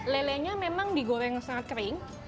lelenya memang digoreng sangat kering